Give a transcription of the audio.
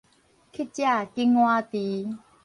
乞食揀碗箸